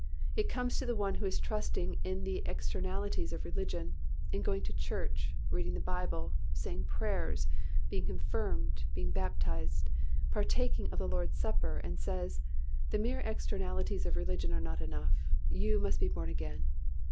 It comes to the one who is trusting in the externalities of religion, in going to church, reading the Bible, saying prayers, being confirmed, being baptized, partaking of the Lord's supper, and says, "The mere externalities of religion are not enough, you must be born again."